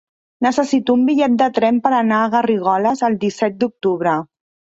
Necessito un bitllet de tren per anar a Garrigoles el disset d'octubre.